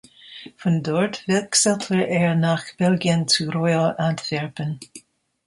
Von dort wechselte er nach Belgien zu Royal Antwerpen.